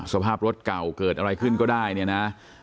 สภาพรถเก่าเกิดอะไรขึ้นก็ได้เนี่ยนะ